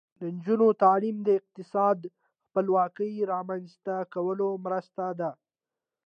د نجونو تعلیم د اقتصادي خپلواکۍ رامنځته کولو مرسته ده.